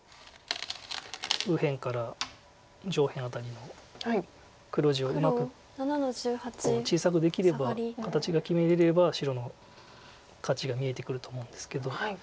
右辺から上辺あたりの黒地をうまく小さくできれば形が決めれれば白の勝ちが見えてくると思うんですけど。